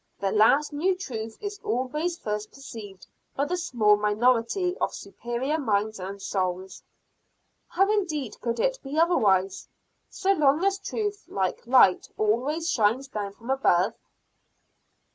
The last new truth is always first perceived by the small minority of superior minds and souls. How indeed could it be otherwise, so long as truth like light always shines down from above?